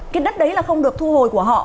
cái đất đấy là không được thu hồi của họ